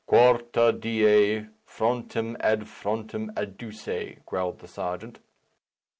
"Quarta die, frontem ad frontem adduce," growled the Serjeant.